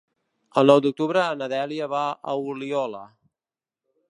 El nou d'octubre na Dèlia va a Oliola.